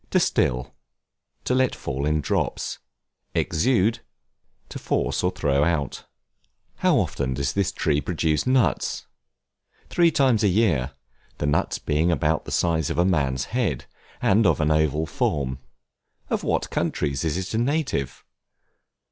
Distil, to let fall in drops. Exude, to force or throw out. [Illustration: THE CATHEDRAL OF MILAN, ITALY.] How often does this tree produce nuts? Three times a year, the nuts being about the size of a man's head, and of an oval form. Of what countries is it a native?